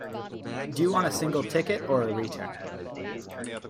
Do you want a single ticket, or a return?